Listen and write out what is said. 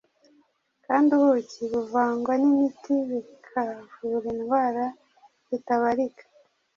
Kandi ubuki buvangwa n’imiti bikavura indwara zitabarika!